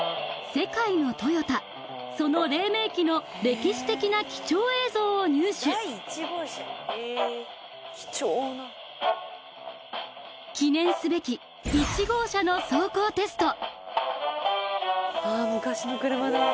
世界のトヨタその黎明期の歴史的な貴重映像を入手記念すべき１号車のああ昔の車だ・わあ